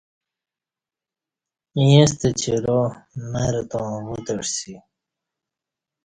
یݩستہ چِیرا مر تاوں وُتعسی